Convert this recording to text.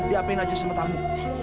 dia apain aja sama tamu